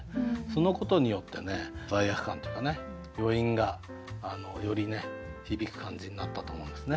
そのことによってね罪悪感というかね余韻がより響く感じになったと思うんですね。